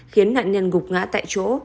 khiến nạn nhân gục ngã tại chỗ